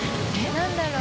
何だろう？